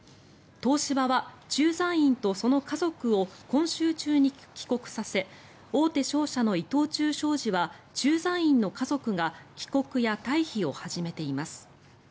東芝は駐在員とその家族を今週中に帰国させ大手商社の伊藤忠商事は駐在員の家族が帰国や退避を始めています。